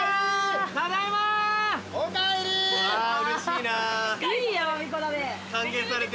うれしいな。